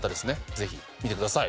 ぜひ見てください。